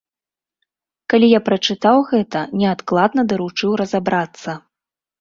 Калі я прачытаў гэта, неадкладна даручыў разабрацца.